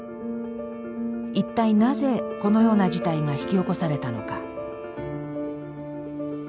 一体なぜこのような事態が引き起こされたのか。